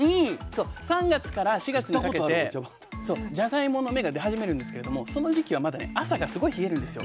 ３月から４月にかけてじゃがいもの芽が出始めるんですけれどもその時期はまだね朝がすごい冷えるんですよ。